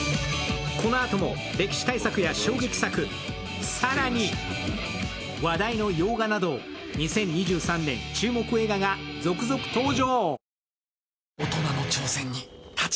このあとも歴史大作や衝撃作さらに話題の洋画など２０２３年注目映画が続々登場！